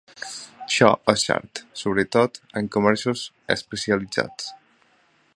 Això és cert, sobretot, en comerços especialitzats.